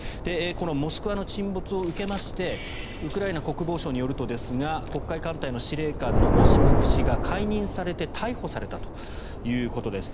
この「モスクワ」の沈没を受けましてウクライナ国防省によると黒海艦隊の司令官のオシポフ氏が解任されて逮捕されたということです。